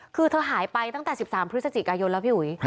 คือเธอหายไปตั้งแต่๑๓พฤศจิกายนแล้วพี่อุ๋ย